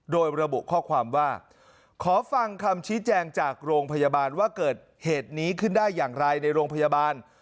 โดยระบุข้อความว่าขอฟังคำชี้แจงจากโรงพยาบาลว่าเกิดเหตุนี้ขึ้นได้อย่างไรในโรงพยาบาล